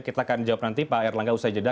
kita akan jawab nanti pak erlangga usai jeda